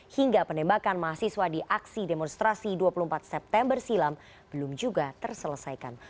hingga penembakan mahasiswa di aksi demonstrasi dua puluh empat september silam belum juga terselesaikan